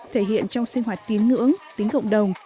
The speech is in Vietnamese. thể hiện trong sinh hoạt tín ngưỡng tính cộng đồng